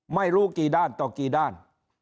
ไม่รู้กี่ด้านต่อกี่ด้าน